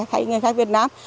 hay người khách việt nam